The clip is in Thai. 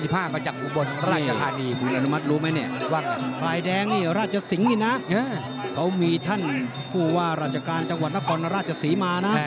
ภัยเด็งนี่ราชสิงห์นะเขามีท่านผู้ว่าราชการจังหวัดนครราชสิหม่านะ